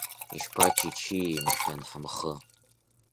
Ишԥачычеи, мшәан, ҳамхы.